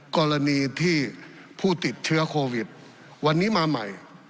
กรณีที่ผู้ติดเชื้อโควิดวันนี้มาใหม่